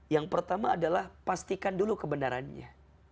yang pertama adalah pastikan dulu kebenarannya